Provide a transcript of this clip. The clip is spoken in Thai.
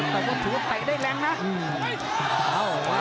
แต่ว่าศูนย์ตะไกได้แรงนะ